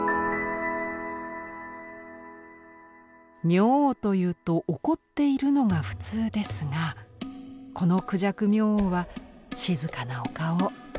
明王というと怒っているのが普通ですがこの孔雀明王は静かなお顔。